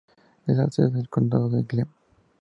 Es la sede del condado de Glenn.